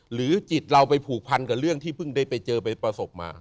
หรือจิตเราไปผูกพันกับเรื่องที่เพิ่งได้ไปเจอไปประสบมา